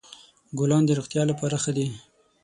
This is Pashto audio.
ګلان د روغتیا لپاره ښه دي.